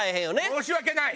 申し訳ない！